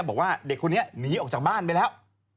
บอกว่าเด็กคนนี้หนีออกจากบ้านไปแล้ว